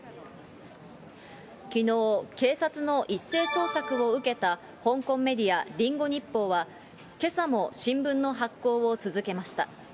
きのう、警察の一斉捜索を受けた香港メディア、リンゴ日報はけさも新聞の発行を続けました。